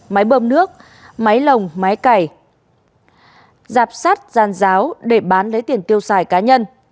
máy bơm nước máy lồng máy cày giạp sát gian giáo để bán lấy tiền tiêu xài cá nhân